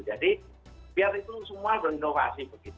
jadi biar itu semua berinovasi